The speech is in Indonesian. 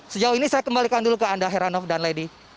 sejauh ini saya kembalikan dulu ke anda heranov dan lady